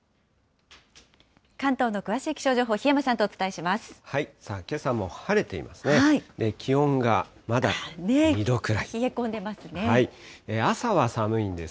関東の詳しい気象情報、檜山さんとお伝えします。